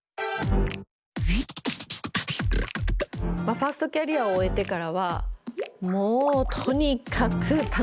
ファーストキャリアを終えてからはもうとにかく楽しかったです。